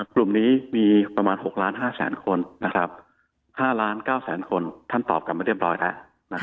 กลุ่มนี้มีประมาณ๖ล้าน๕แสนคน๕๙๐๐คนท่านตอบกลับมาเรียบร้อยแล้ว